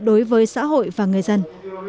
đối với xã hội và người dân